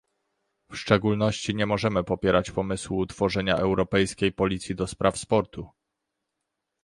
W szczególności nie możemy popierać pomysłu utworzenia europejskiej policji do spraw sportu